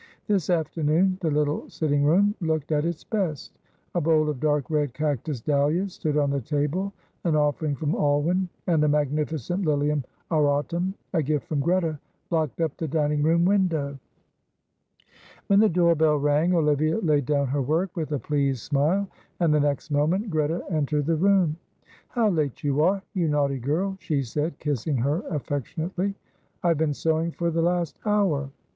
This afternoon the little sitting room looked at its best. A bowl of dark red cactus dahlias stood on the table, an offering from Alwyn, and a magnificent Lilium auratum, a gift from Greta, blocked up the dining room window. When the door bell rang Olivia laid down her work with a pleased smile, and the next moment Greta entered the room. "How late you are, you naughty girl," she said, kissing her affectionately. "I have been sewing for the last hour."